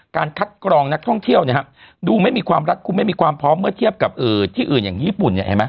การคัดกรองนักท่องเที่ยวดูไม่มีความรัดคุ้มไม่มีความพร้อมเมื่อเทียบกับที่อื่นอย่างญี่ปุ่นเนี่ยเห็นไหม